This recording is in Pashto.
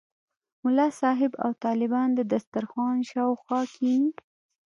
ملا صاحب او طالبان د دسترخوان شاوخوا کېني.